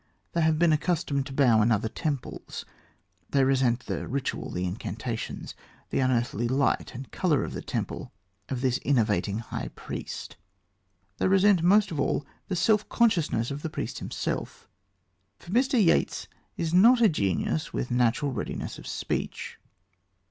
They have been accustomed to bow in other temples. They resent the ritual, the incantations, the unearthly light and colour of the temple of this innovating high priest. They resent, most of all, the self consciousness of the priest himself. For Mr. Yeats's is not a genius with natural readiness of speech.